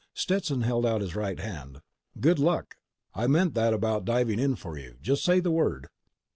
Stetson held out his right hand. "Good luck. I meant that about diving in for you. Just say the word."